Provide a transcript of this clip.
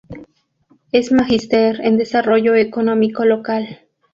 Es Magister en Desarrollo Económico Local.